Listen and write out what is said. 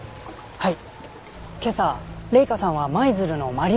はい。